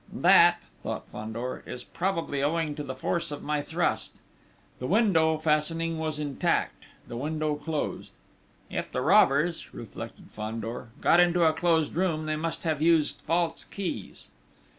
"That," thought Fandor, "is probably owing to the force of my thrust!" The window fastening was intact: the window closed. "If the robbers," reflected Fandor, "got into a closed room, they must have used false keys."